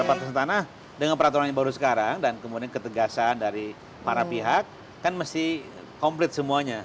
pembatasan tanah dengan peraturan yang baru sekarang dan kemudian ketegasan dari para pihak kan mesti komplit semuanya